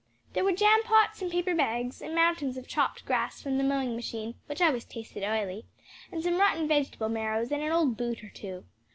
There were jam pots and paper bags, and mountains of chopped grass from the mowing machine (which always tasted oily), and some rotten vegetable marrows and an old boot or two.